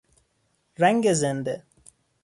رنگ زنده